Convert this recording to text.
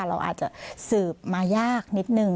เราอาจจะสืบมายากนิดนึง